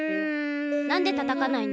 なんでたたかないの？